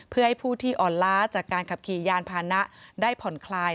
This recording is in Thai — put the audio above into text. เพื่อให้ผู้ที่อ่อนล้าจากการขับขี่ยานพานะได้ผ่อนคลาย